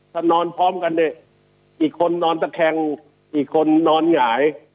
ถ้านอนพร้อมกันเนี่ยอีกคนนอนตะแคงอีกคนนอนหงาย